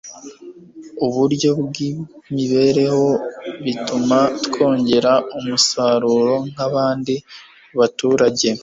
Uburyo bw'imibereho bituma twongera umusaruro nk'abandi baturage